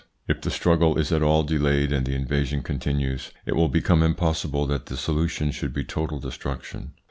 If the struggle is at all delayed and the invasion continues, it will become impossible that the solution should be total destruc tion.